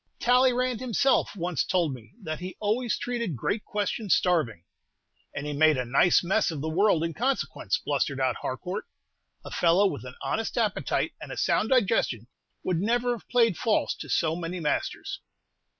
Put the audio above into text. "Talleyrand himself once told me that he always treated great questions starving." "And he made a nice mess of the world in consequence," blustered out Harcourt. "A fellow with an honest appetite and a sound digestion would never have played false to so many masters."